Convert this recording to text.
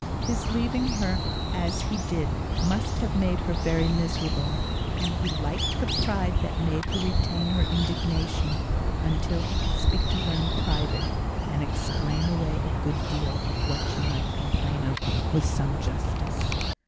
His leaving her as he did must have made her very miserable; and he liked the pride that made her retain her indignation, until he could speak to her in private, and explain away a good deal of what she might complain of with some justice.